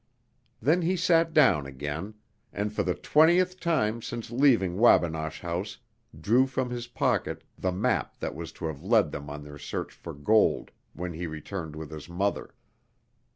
Then he sat down again, and for the twentieth time since leaving Wabinosh House drew from his pocket the map that was to have led them on their search for gold when he returned with his mother.